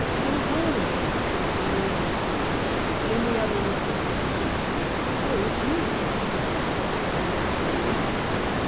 "Go home!" hissed Furneaux, leaning out. Then the other looked up. "Oh, it's you, sir!" he gasped, sighing with relief.